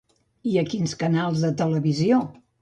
I a quins canals de televisió?